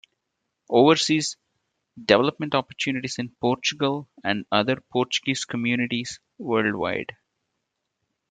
Overseas, development opportunities in Portugal and other Portuguese communities, worldwide.